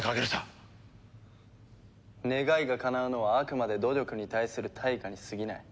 願いがかなうのはあくまで努力に対する対価にすぎない。